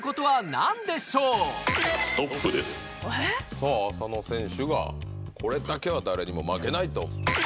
さぁ浅野選手が「これだけは誰にも負けない」と。